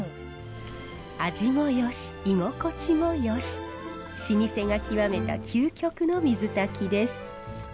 味もよし居心地もよし老舗が極めた究極の水炊きです。